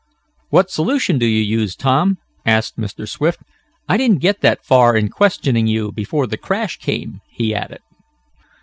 "What solution do you use, Tom?" asked Mr. Swift. "I didn't get that far in questioning you before the crash came," he added.